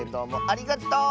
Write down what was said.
ありがとう！